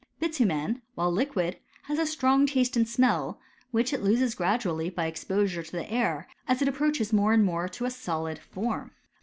Bitumen, while liquid, has a strong taste and smell, which it loses gradually by exposure to the air, as it approaches more and more to a solid form.